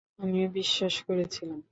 আমিও বিশ্বাস করেছিলাম।